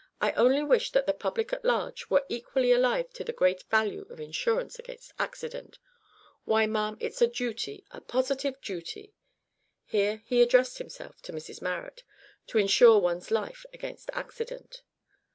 I only wish that the public at large were equally alive to the great value of insurance against accident. W'y, ma'am, it's a duty, a positive duty," (here he addressed himself to Mrs Marrot) "to insure one's life against accident."